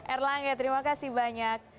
erlangga terima kasih banyak